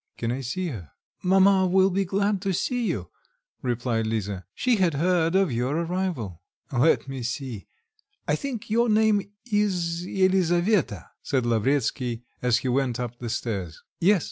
Can I see her?" "Mamma will be glad to see you," replied Lisa; "she had heard of your arrival." "Let me see, I think your name is Elisaveta?" said Lavretsky, as he went up the stairs. "Yes."